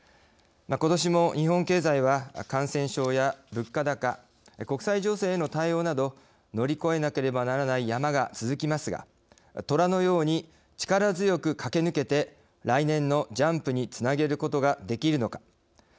ことしも日本経済は感染症や物価高国際情勢への対応など乗り越えなければならない山が続きますがとらのように力強く駆け抜けて来年のジャンプにつなげることができるのか。